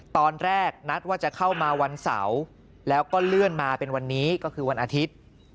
ตอนแรกนัดว่าจะเข้ามาวันเสาร์แล้วก็เลื่อนมาเป็นวันนี้ก็คือวันอาทิตย์